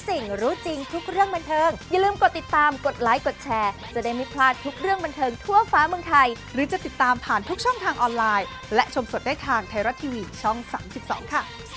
เสียบรรเทิงบรรเทิงไทยรัก